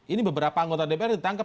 ini beberapa anggota dpr ditangkap